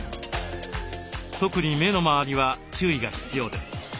特に目の周りは注意が必要です。